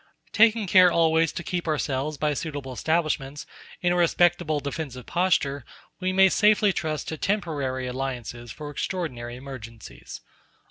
Taking care always to keep ourselves, by suitable establishments, in a respectable defensive posture, we may safely trust to temporary alliances for extraordinary emergencies."